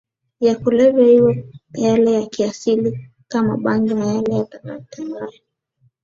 ya kulevya iwe yale ya kiasili kama bangi au yale yatengenezwayo